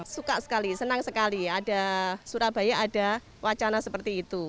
suka sekali senang sekali ada surabaya ada wacana seperti itu